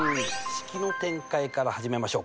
「式の展開」から始めましょうか。